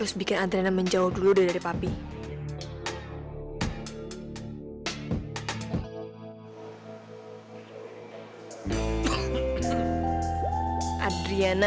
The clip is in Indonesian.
sebenarnya gue mau lihat